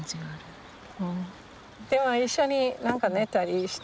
でも一緒に寝たりして。